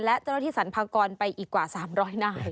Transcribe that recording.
และจ้าวุทธิสันพากรไปอีกกว่า๓๐๐นาย